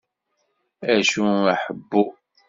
Acu a ḥebbu?